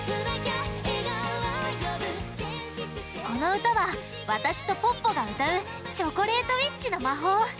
このうたはわたしとポッポがうたう「チョコレートウィッチの魔法」！